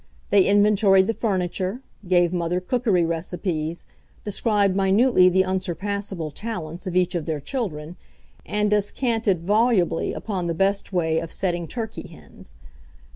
They inventoried the furniture, gave mother cookery recipes, described minutely the unsurpassable talents of each of their children, and descanted volubly upon the best way of setting turkey hens.